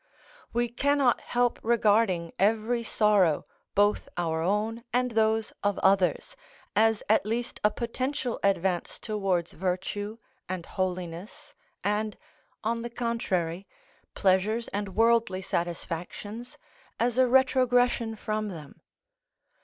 We cannot help regarding every sorrow, both our own and those of others, as at least a potential advance towards virtue and holiness, and, on the contrary, pleasures and worldly satisfactions as a retrogression from them.